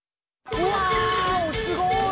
うわすごい！